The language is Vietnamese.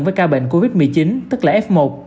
với ca bệnh covid một mươi chín tức là f một